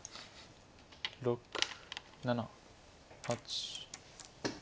６７８。